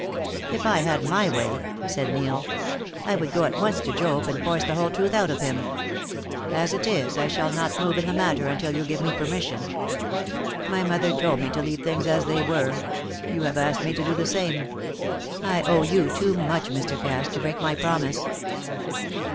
"If I had my way," said Neil, "I would go at once to Job, and force the whole truth out of him. As it is, I shall not move in the matter until you give me permission. My mother told me to leave things as they were you have asked me to do the same. I owe you too much, Mr. Cass, to break my promise."